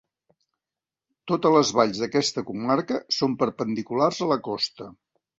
Totes les valls d'aquesta comarca són perpendiculars a la costa.